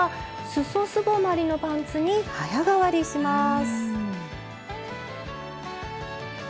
すぼまりのパンツに早変わりします！